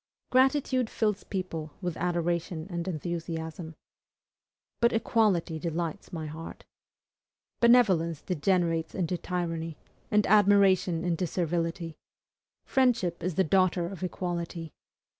Gratitude fills people with adoration and enthusiasm. But equality delights my heart. Benevolence degenerates into tyranny, and admiration into servility. Friendship is the daughter of equality.